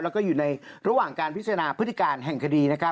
แล้วก็อยู่ในระหว่างการพิจารณาพฤติการแห่งคดี